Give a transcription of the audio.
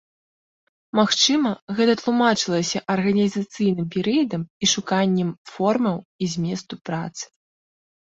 Магчыма, гэта тлумачылася арганізацыйным перыядам і шуканнем формаў і зместу працы.